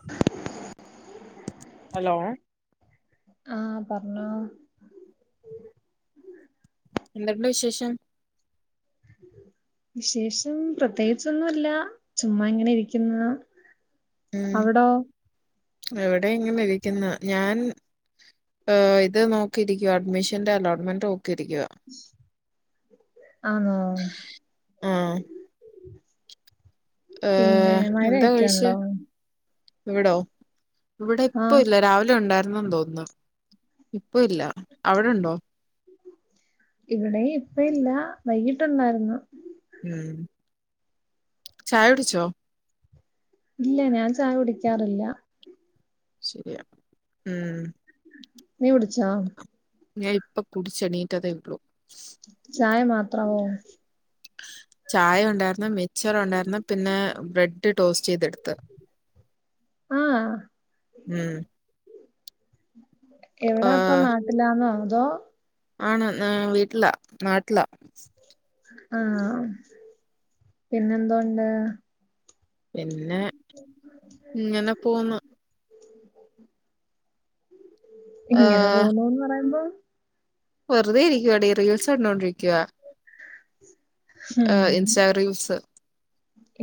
[inaudible] Hello ആഹ് പറഞ്ഞോ എന്തെണ്ട് വിശേഷം വിശേഷം പ്രത്യേകിച്ചൊന്നുല്ല ചുമ്മാ ഇങ്ങനെ ഇരിക്കുന്ന ഉം എവിടെ ഇങ്ങെ ഇരിക്കുന്നു ഞാൻ ഹ് ഇത് നോക്കിയിരിക്കുവോ അഡ്മിഷന്റെ അലോട്ട്മെന്റ് നോക്കിയിരിക്കുവ ആ ആഹ പിന്നെ ഏഹ് എന്താ കഴിച്ചേ മഴയൊക്കെയുണ്ടോ? ഇവിടോ ഇവിടെ ആഹ് ഇപ്പ ഇല്ല രാവിലെ ഉണ്ടായിരുന്നു തോന്നുന്നു ഇപ്പോ ഇല്ല, അവിടെണ്ടോ? ഇവിടെയും ഇപ്പ ഇല്ല, വൈകിട്ടുണ്ടായിരുന്നു. ഉം ചായ കുടിച്ചോ? ഇല്ല ഞാൻ ചായ കുടിക്കാറില്ല. ശരിയാ ഉം നീ കുടിച്ചാ? ഞാൻ ഇപ്പൊ കുടിച്ചെണീറ്റതെ ഉള്ളൂ. ചായ മാത്രവോ? ചായ ഉണ്ടായിരുന്നു, മിച്ചറ് ഉണ്ടായിരുന്നു, പിന്നെ ബ്രെഡ് ടോസ്റ്റ് ചെയ്തെടു ത്ത ആഹ് ഉം എവിടാ ഇപ്പം ഏഹ് നാട്ടില്ലാണോ അതോ ആണ് ന് വീട്ടിലാ നാട്ടിലാ ആഹ് പിന്നെ എന്തോണ്ട്? പിന്നെ ഇങ്ങനെ പോന്ന് [inaudible] ഇങ്ങനെ ഏഹ് പോന്നുന്ന് പറയുമ്പോ വെറുതെ ഇരിക്കുവാടീ, റീൽസ് കണ്ടോണ്ടിരിക്കുവാ. ഏഹ് ഹും ഇൻസ്റ്റാ റീൽസ്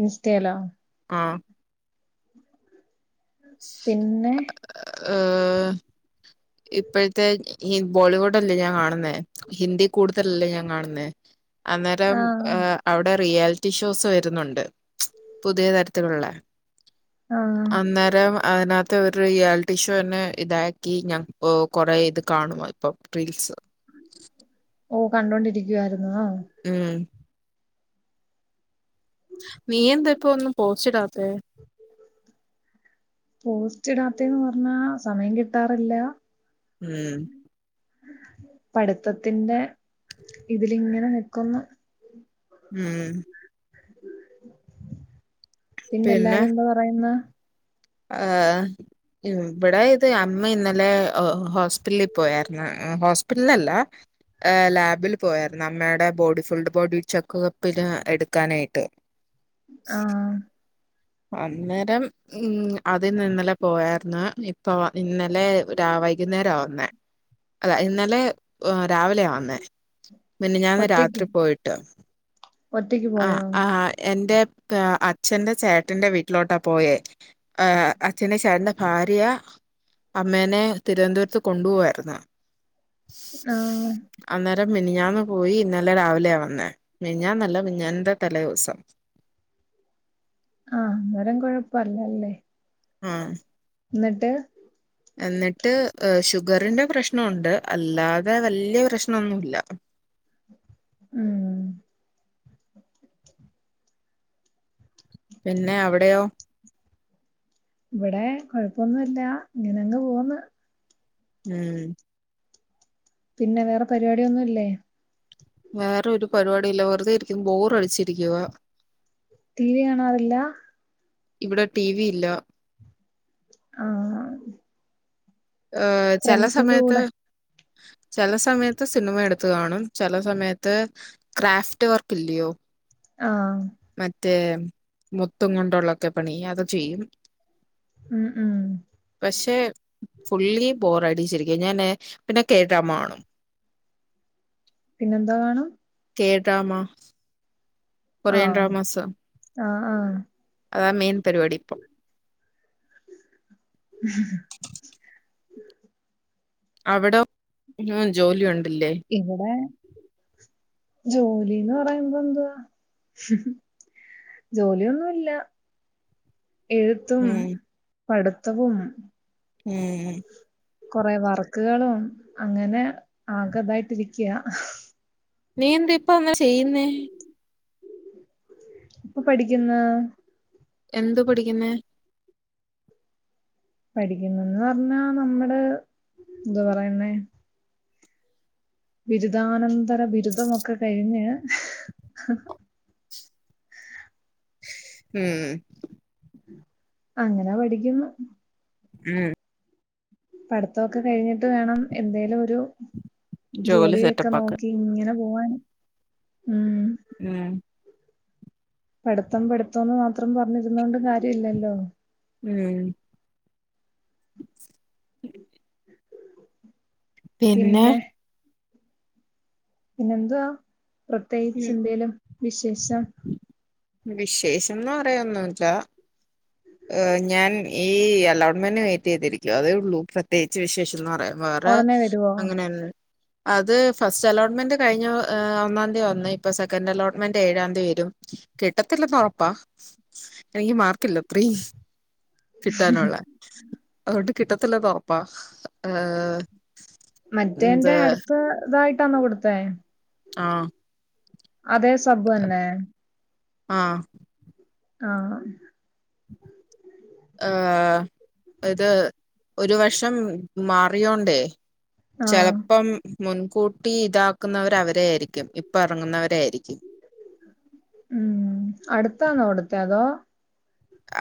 ഇൻസ്റ്റേലോ? ആഹ് പിന്നെ ആഹ് ഇപ്പോഴത്തെ ഈ ബോളിവുഡ് അല്ലേ ഞാൻ കാണുന്നേ ഹിന്ദി കൂടുതലല്ലേ ഞാൻ കാണുന്നേ, അന്നേരം ആഹ് അവിടെ റിയാലിറ്റി ഷോസ് വരുന്നുണ്ട് [unintelligible] പുതിയ തരത്തിലുള്ള ആഹ് അന്നേരം അതിനകത്തെ ഒരു റിയാലിറ്റിഷോന്നെ ഇതാക്കി ഞാ ഓഹ് കൊറേ ഇത് കാണുമാ ഇപ്പൊം റീൽസ് ഓ കണ്ടോണ്ടിരിക്കുവാരുന്നോ? ഉം നീ എന്താ ഇപ്പൊ ഒന്നും പോസ്റ്റിടാത്തെ? പോസ്റ്റ് ഇടാത്തെന്ന് പറഞ്ഞാ സമയം കിട്ടാറില്ല ഉം പഠിത്തത്തിന്റെ ഇതിലിങ്ങനെ നിക്കുന്നു. ഉം പിന്നെ പിന്നെല്ലാരും എന്ത് പറയുന്നു? ആഹ് ഇവിടെ ഇത് അമ്മ ഇന്നലെ ഹോസ്പിറ്റലിൽ പോയായിരുന്നു, ഹോസ്പിറ്റലല്ല, ആഹ് ലാബിൽ പോയായിരുന്നു അമ്മേടെ ബോഡി ഫുൾ ബോഡി ചെക്ക്പ്പില് എടുക്കാനായിട്ട്. ആഹ് അന്നേരം ഉം അതിന്നിന്നലെ പോയായിരുന്നു ഇപ്പൊ ഇന്നലെ വൈകുന്നേരാവന്നേ അല്ല ഇന്നലെ രാവിലെയാ വന്നേ, മിനിഞ്ഞാന്ന് ഒറ്റക്ക് രാത്രി പോയിട്ട്. ഒറ്റക്ക് ആഹ് പോയോ ആഹ് എന്റെ [inaudible] അച്ഛന്റെ ചേട്ടന്റെ വീട്ടിലോട്ടാ പോയേ ആഹ് അച്ഛൻ്റെ ചേട്ടന്റെ ഭാര്യ അമ്മേനെ തിരുവനന്തപുരത്ത് കൊണ്ടുപോവായിരുന്നു ആഹ് അന്നേരം മിനിഞ്ഞാന്ന് പോയി ഇന്നലെ രാവിലെയാ വന്നേ, മിനിഞ്ഞാന്നല്ല മിനി ഞ്ഞാന്നത്തെ തലേവസം. ആഹ് അന്നേരം കുഴപ്പല്ലല്ലേ ആഹ് എന്നിട്ട്? എന്നിട്ട് ഷുഗറിന്റെ പ്രശ്നോണ്ട് അല്ലാതെ വലിയ പ്രശ്നോന്നുല്ല. ഉം പിന്നെ അവിടെയോ ഇവിടെ കൊഴപ്പൊന്നുല്ല ഇങ്ങനെ അങ്ങ് പോകുന്ന്. ഉം പിന്നെ വേറെ പരിപാടിയൊന്നും ഇല്ലേ? വേറെ ഒരു പരിപാടിയില്ല വെറുതെ ഇരിക്കും ബോറ് അടിച്ചിരിക്കുവ. ടി വി കാണാറില്ല? ഇവിടെ ടി വി ഇല്ല. ആഹ് ഏഹ് ചെല ഫ്രണ്ട്സിന്റെ സമയത്ത് കൂടെ ചെല സമയത്ത് സിനിമ എടുത്ത് കാണും ചെല സമയത്ത് ക്രാഫ്റ്റ് വർക്ക് ഇല്ലയോ ആഹ് മറ്റേ മുത്തും കൊണ്ടുള്ളൊക്കെ പണി അത് ചെയ്യും. ഉം ഉം പക്ഷെ ഫുള്ളി ബോറഡി ശരിക്കും ഞാന് പിന്നെ കേട്ടാമാണും. പിന്നെന്താ വാണം കേട്രാമ ആഹ് ആഹ് ആഹ് അത മെയ്ൻ പരിപാടി പ്പം. [inaudible] [inaudible] അവിടെ ജോലിയുണ്ടില്ലേ? ഇവിടെ ജോലീന്ന് പറയുമ്പോ എന്തുവാ ജോലിയൊന്നുല്ല എഴുത്തും ഉം പഠിത്തവും ഉം കൊറെ വർക്കുകളും അങ്ങനെ ആകതായിട്ടിരിക്ക നീ എന്താ ഇപ്പാ ങ്ങനെ ചെയ്യുന്നേ ഇപ്പ പഠിക്ക്ന്ന് എന്ത് പഠിക്കുന്നെ? പഠിക്കുന്നൂന്ന് പറഞ്ഞാ നമ്മുടെ എന്താ പറയുന്നെ ബിരുദാനന്തര ബിരുദമൊക്കെ കഴിഞ്ഞ് ഉം അങ്ങനാ പഠിക്കുന്ന് ഉം പഠിത്തമൊക്കെ കഴിഞ്ഞിട്ട് വേണം എന്തേലും ഒരു ജോലി ജോലിയൊക്കെ സെറ്റപ്പ് ആക്കാൻ നോക്കി ഇങ്ങനെ പോവാൻ ഉം ഉം പഠിത്തം പഠിത്തംന്ന് മാത്രം പറഞ്ഞിരുന്നോണ്ട് കാര്യല്ലല്ലോ ഉം [inaudible] പിന്നെ പിന്നെന്തുവാ പ്രത്യേകിച്ച് ഉം എന്തേലും വിശേഷം? വിശേഷംന്ന് പറയാ ഒന്നൂല്ല ങ് ഞാൻ ഈ അലോൺ്മെന്റ് വെയിറ്റ് ചെയ്തിരിക്കുക അതേ ഉള്ളൂ പ്രത്യേകിച്ച് വിശേഷംന്ന് പറയാന് വേറെ ഒടനെ വരുവോ? അങ്ങനെ അത് ഫസ്റ്റ് അലോട്ട്മെന്റ് കഴിഞ്ഞ് ഒന്നാം ദി വന്ന് ഇപ്പൊ സെക്കൻഡ് അലോട്ട്മെന്റ് ഏഴാം ദി വരും. കിട്ടത്തില്ലെന്ന് ഉറപ്പാ എനിക്ക് മാർക്കില്ല അത്രിയും കിട്ടാനുള്ള അതുകൊണ്ട് കിട്ടത്തില്ലെന്നുറപ്പാ എന്ത് മറ്റൻ്റെ അടുത്ത ഇതായിട്ടാന്നോ കൊടുത്തേ ആഹ് അതേ സബ് തന്നെ ആഹ് ആഹ് ആഹ് ഏഹ് ഇത് ഒരു വഷം മാറിയോണ്ടേ ആഹ് ചിലപ്പം മുൻകൂട്ടി ഇതാക്കുന്നവർവര ആയിരിക്കും ഇപ്പ ഇറങ്ങുന്നവരായിയിരിക്കും. ഉം അടുത്താന്നോ കൊടുത്തെ അതോ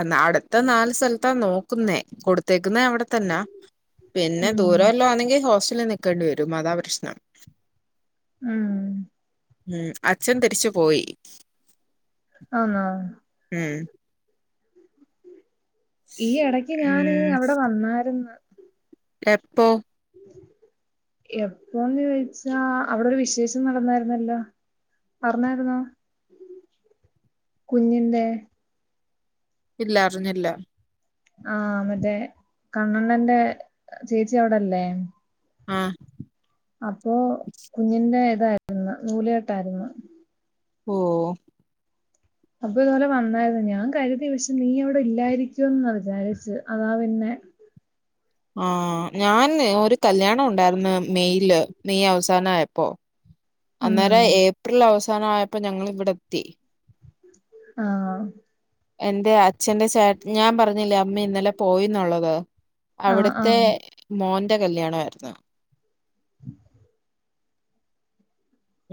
ആ അടുത്ത നാല് സ്ഥലത്താ നോക്കുന്നേ കൊടുത്തേക്കുന്നേ അവിടെത്തന്നാ പിന്നെ ഉം ദൂരമല്ലാം ആണെങ്കിൽ ഹോസ്റ്റലിൽ നിൽക്കേണ്ടി വരും. അതാപ്രശ്നം ഉം ഉം അച്ഛൻ തിരിച്ചു പോയി. ആന്നോ ഉം ഈ ഇടക്ക് ഞാന് ഉം അവിടെ വന്നായിരുന്നു. എപ്പോ എപ്പോന്ന് ചോദിച്ചാ അവിടൊരു വിശേഷം നടന്നായിരുന്നല്ലോ. പറഞ്ഞായിരുന്നോ കുഞ്ഞിന്റെ ഇല്ല അറിഞ്ഞില്ല ആഹ് മറ്റേ കണ്ണണ്ണന്റെ ചേച്ചി അവിടെല്ലേ. ആഹ് അപ്പോ കുഞ്ഞിന്റെ ഇതായിരുന്നു നൂലേട്ടായിരുന്നു. ഓഹ് അപ്പൊ ഇതുപോലെ വന്നായിരുന്നു ഞാൻ കരുതി പക്ഷെ നീ അവിടെ ഇല്ലായിരിക്കുവ എന്നാ വിചാരിച്ച് അതാ പിന്നെ ആഹ് ഞാന് ഒരു കല്യാണം ഉണ്ടായിന്ന് മെയയില് മെയ് അവസാനംയപ്പോ. ഉം അന്നേരം ഏപ്രിൽ അവസാനം ആയപ്പോ ഞങ്ങ ഇവിടെ എത്തി. ആഹ് എന്റെ അച്ഛന്റെ ചേ ഞാൻ പറഞ്ഞില്ലേ അമ്മ ഇന്നലെ പോയിന്നുള്ളത്. ആഹ് അവിടുത്തെ ആഹ് മോന്റെ കല്യാണ ആയിരുന്നു.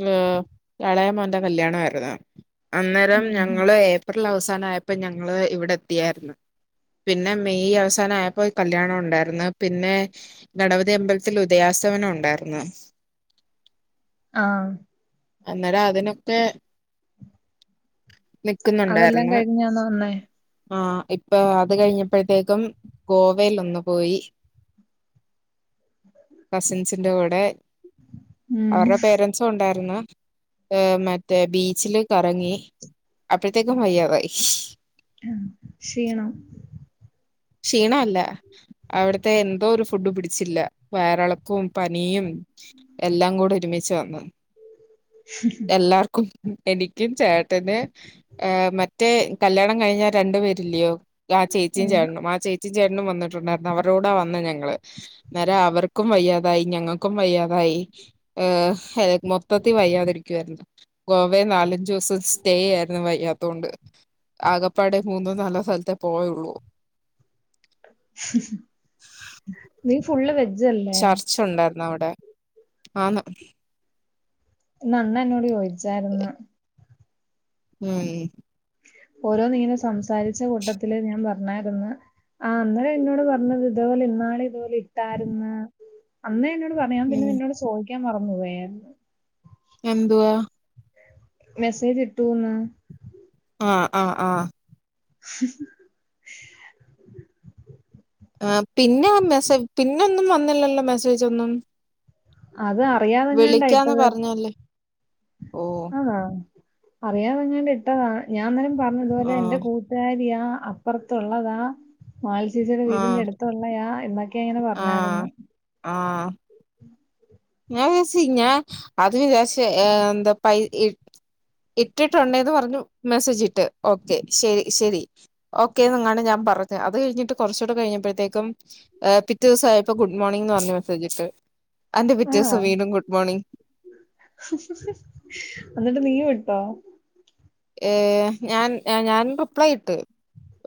ഏഹ് ഇളയ മോന്റെ കല്യാണമായിരുന്നു അന്നേരം ഉം ഞങ്ങള് ഏപ്രിൽ അവസാനം ആയപ്പ ഞങ്ങള് ഇവിടെ എത്തിയായിരുന്നു. പിന്നെ മെയ് അവസാനം ആയപ്പോ കല്യാണം ഉണ്ടായിരുന്നു. പിന്നെ ഗണപതി അമ്പലത്തിൽ ഉദയസ്ഥമനം ഉണ്ടായിരുന്നു. ആഹ് അന്നേരം അതിനൊക്കെ അതെല്ലാം നിക്കുന്നുണ്ടായിരുന്നു. കഴിഞ്ഞാന്നോ വന്നേ ആ ഇപ്പൊ അത് കഴിഞ്ഞപ്പോഴത്തേക്കും ഗോവൽ ഒന്ന് പോയി. കസിൻസിന്റെ കൂടെ ഉം അവരുടെ പേരന്റ്സും ഉണ്ടായിരുന്നു. മറ്റേ ബീച്ചിൽ ല് കറങ്ങി അപ്പഴത്തേക്കും വയ്യാതായി. ആഹ ക്ഷീണം ക്ഷീണം അല്ല അവിടത്തെ എന്തോ ഒരു ഫുഡ് പിടിച്ചില്ല വയറിളക്കവും. പനിയും എല്ലാം കൂടെ ഒരുമിച്ച് വന്നത് ഉം എല്ലാർക്കും. എനിക്ക് ചേട്ടന് ഏ മറ്റേ കല്യാണം കഴിഞ്ഞാ രണ്ടു പേരില്ലയോ ആ ചേച്ചിയും ആഹ് ചേട്ടനും ആ ചേച്ചി ചേട്ടനും വന്നിട്ടുണ്ടായിരുന്നു അവരോടെ വന്ന ഞങ്ങള് നേന്നേരം അവർക്കും വയ്യാതായി ഞങ്ങൾക്കും വയ്യാതായി മൊത്ത വയ്യാതിരിക്കുവായിരുന്നു ഗോവെ നാലഞ്ചു ദിവസം സ്റ്റേ ആയിരുന്നു. വയ്യാത്തൊണ്ട്. ആകപ്പാട മൂന്നോ നാലോ സ്ഥലത്തെ പോയുള്ളൂ. ഹും നീ ഫുള് വെജ്ല്ലേ ചർച്ച് ഉണ്ടായിരുന്നു അവിടെ ആന്ന് ന്ന് അമ്മ എന്നോട് ചോദിച്ചായിരുന്ന ഉം ഓരോന്നിങ്ങനെ സംസാരിച്ച കൂട്ടത്തില് ഞാൻ പറഞ്ഞായിരുന്നു ആ അന്നേരന്നോട് പറഞ്ഞത് ഇതേപോലെന്നാള് ഇതു ഇട്ടായിരിന്ന് അന്നേന്നോട് പറയാൻ പിന്നെ ഉം നിന്നോട് ചോദിക്കാൻ മറന്നു പോയേ എന്തുവാ മെസ്സേജ് ഇട്ടുന്ന് ആഹ ആഹ ആഹ ! ! ! ! ! ! ! ! ! ! ആ പിന്നെ വന്ന മെസ്സ പിന്നെ ഒന്നും വന്നില്ലല്ലോ മെസ്സേജ് ഒന്നും അത് വിളിക്കാന്ന് അറിയാതെങ്ങാണ്ടായിട്ടത് പറഞ്ഞല്ലേ ഓഹ് ആതാ അറിയാതങ്ങാണ്ട് ഇട്ടതാ ഞാൻ അന്നേരം പറഞ്ഞതുപോലെ എൻറെ ആഹ് കൂട്ടാരിയ അപ്പർത്തുള്ളതാ മാലി ചേച്ചിയുടെ വീടിന്റെ അടുത്തള്ളയാാ എന്ന ആഹ ആഹ ഞാ വിചാറിച്ച് ഞാ ആദ്യം വിചാരിച്ച് എന്ത പൈ ഇ ഇട്ടിട്ടുണ്ടേന്ന് പറഞ്ഞു മെസ്സേജ് ഇട്ട് ഓക്കെ ശരി ശരി ഓക്കേ എന്നങ്ങാണ്ട് ഞാൻ പറഞ്ഞ് അത് കഴിഞ്ഞിട്ട് കുറച്ചുകൂടെ കഴിഞ്ഞപ്പോഴത്തേക്കും എ പിറ്റേ ദിവസയപ്പോ ഗുഡ് മോർണിം ന്ന് പറഞ്ഞു മെസ്സേജിട്ട് അതിൻ്റെപിറ്റേ ദിവസം ആഹ്. വീണ്ടും ഗുഡ്മോർണിംഗ് എന്നിട്ട് നീ വിട്ടോ ഏ ഞാൻ ഞാൻ റിപ്ലൈ ഇട്ട്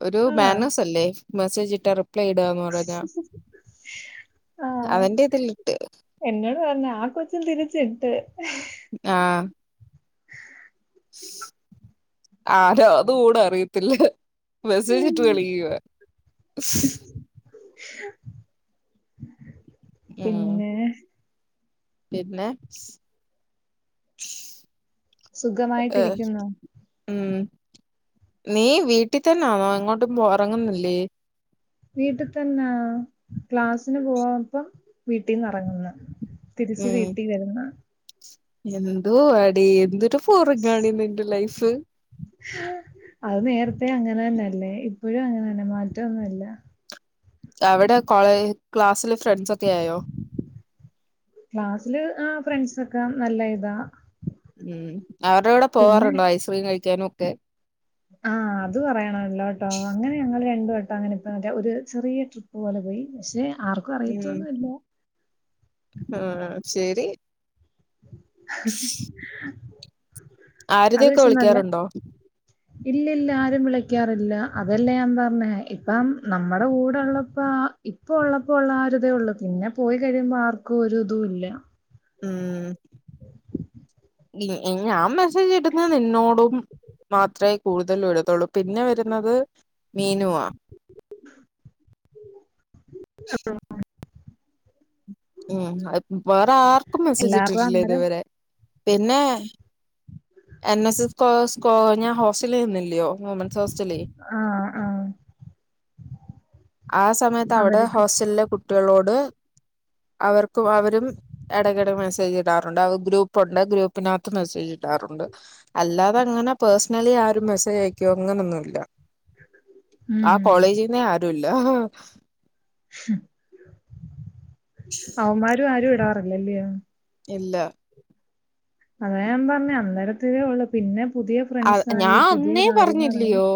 ഒരു ആഹ്. ബാനഴസ്സല്ലേ മെസ്സേജ് ഇട്ടാ റിപ്ലൈ ഇടുകന്ന് പറഞ്ഞ ആഹ ഇതിലിട്ട് എന്നോട് പറഞ്ഞ ആ കൊച്ചും തിരിച്ചിട്ട് ആഹ ! ! ! ! ! ! ! ! ! ! ! ആരോ അത്കൂടെ അറിയത്തില്ല മെസേജിട്ട് കളിക്കുവ ഉം പിന്നെ പിന്നെ ഏഹ സുഖമായിട്ടിരിക്കുന്നോ? ഉം നീ വീട്ടിൽ തന്നൊണോ ഇങ്ങോട്ടും പോ ഇറങ്ങുന്നില്ലേ വീട്ടിൽ തന്നെ ക്ലാസ്സിന് പോവാപ്പം വീട്ടിൽന്ന് ഇറങ്ങുന്നേ തിരിച്ച് വീട്ടി വരുന്ന എന്തുവാടീ എന്തൊരു ഫോറിങ്ങാണ്ന്ന്ന്റെ ലൈഫ് അത് നേരത്തെ അങ്ങനെ തന്നെയല്ലേ ഇപ്പോഴും അങ്ങനെ തന്നെ മാറ്റന്നുംല്ല അവിടെ കോളേ ക്ലാസ്സില് ഫ്രണ്ട്സ് ഒക്കെ ആയോ ക്ലാസ്സില് ആ ഫ്രണ്ട്സ ഒക്കെ നല്ല ഇതാ ഉം അവരുടെ കൂടെ പിന്നെ പോവാറുണ്ടോ ഐസ്ക്രീം കഴിക്കാനുംക്കെ ആഹ് അത് പറയണല്ലോ ട്ടോ അങ്ങനെ ഞങ്ങൾ രണ്ടുവട്ടം അങ്ങനെ ഇപ്പ മറ്റ ഒരു ചെറിയ ടിപ്പ് പോലെ പോയി പക്ഷെ ആർക്ക ഉം ആഹ ശരി അത് ആരതിയൊക്കെ പക്ഷേ നല്ല വിളിക്കാറുണ്ടോ ഇല്ല ഇല്ല ആരും വിളിക്കാറില്ല അതല്ലേ ഞാൻ പറഞ്ഞേ ഇപ്പം നമ്മുടെ കൂടെള്ളപ്പോ ഇപ്പൊ ഉള്ളപ്പോ ഉള്ള ആരി ഇതേ ഉള്ളു പിന്നെ പോയി കഴിയുമ്പോ ആർക്കും ഒരു ഇതും ഇല്ല ഉം ഞാൻ മെസ്സേജ് എടുുന്ന നിന്നോടും മാത്രമേ കൂടുതലും ഇടത്തുള്ളൂ പിന്നെ വരുന്നത് മീനുവാ ! ! ! ! ! ! ! ! ! [unintelligible] ഉം വേറെ ആർക്കും മെസ്സേജ് എല്ലാർക്കും ഇട്ടിട്ടില്ലേ അന്നേരം ഇതുവരെ പിന്നെ എൻ എസ് എസ് കോഴ്സ് കോ ഞാൻ ഹോസ്റ്റലിൽ നിനന്നില്ലയോ വുമൻസ് ഹോസ്റ്റല ആഹ ആഹ ആ സമയത്ത് അവിടെ ഹോസ്റ്റലിലെ കുട്ടികളോട് അവർക്കും അവരും ഇടയ്ക്കിട മെസ്സേജ് ഇടാറ് ണ്ട്. ഗ്രൂപ്പുണ്ട് ഗ്രൂപ്പിനകത്ത് മെസ്സേജ് ഇടാറുണ്ട് അല്ലാതെ അങ്ങനെ പേഴ്സണലി ആരും മെസ്സേജ് അയക്കോ അങ്ങനൊന്നും ഇല്ല. ആ ഉം കോളേജിന്നേ ആരുല്ല അവന്മാരും ആരും ഇടാറില്ലല്ലിയോ ഇല്ല അതാ ഞാൻ പറഞ്ഞേ അന്നേരത്തിതേ ഉള്ള് പിന്നെ പുതിയ ഫ്രണ്ട്സായി ഞാൻ പുതിയ അന്നേ കാര്യങ്ങളായി പറഞ്ഞില്ലയോ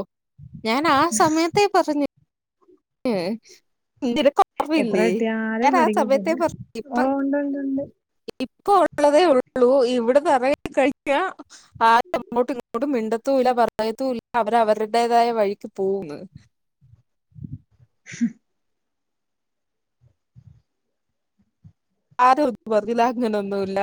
പറഞ്ഞ് ഏഹ് [unintelligible] എത്ര അപ്പവില്ലേ കിട്ടിയാലും ഞാൻ ആ പഠിക്കത്തില്ല. സമയത്തേ പറഞ്ഞ് ഇപ്പം ഓഹ് ഉണ്ട് ഉണ്ട് ഉണ്ട്. ഇപ്പൊ ഒള്ളതേ ഉള്ളു ഇവിടുന്ന് എറങ്ങി കഴിഞ്ഞാ ആരും അങ്ങോട്ടും ഇങ്ങോട്ടും മിണ്ടത്തുവില്ല പറയത്തുവില്ല അവര അവരുടേതായ വഴിക്ക് പോകൂന്ന് ഹ ആരും ഒന്നും പറഞ്ഞില്ല അങ്ങനൊന്നുമില്ല